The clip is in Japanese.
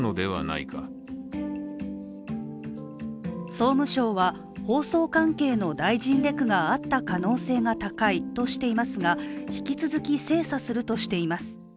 総務省は放送関係の大臣レクがあった可能性が高いとしていますが引き続き精査するとしています。